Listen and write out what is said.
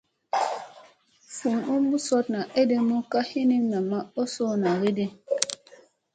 Vun umɓi sooɗna eɗemu ka hinim a nam oo soɗna kiɗi.